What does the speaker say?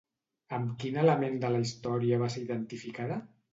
Amb quin element de la història va ser identificada?